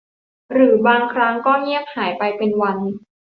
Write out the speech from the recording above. หรือบางครั้งก็เงียบหายไปเป็นวัน